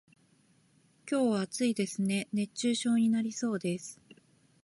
今日は暑いですね、熱中症になりそうです。